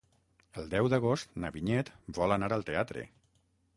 El deu d'agost na Vinyet vol anar al teatre.